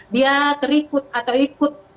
dia terikut atau ikut